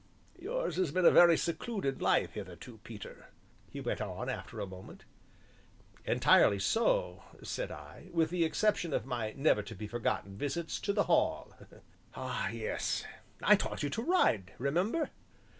"Yours has been a very secluded life hitherto, Peter," he went on after a moment. "Entirely so," said I, "with the exception of my never to be forgotten visits to the Hall." "Ah, yes, I taught you to ride, remember."